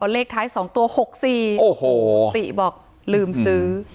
เลขท้าย๒ตัว๖๔โอ้โหติบอกลืมซื้อ